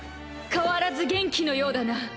変わらず元気のようだな。